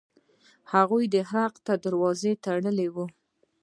هغوی د حق دروازه تړلې وه.